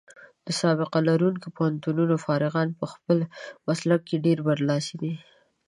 د سابقه لرونکو پوهنتونونو فارغان په خپلو مسلکونو کې ډېر برلاسي دي.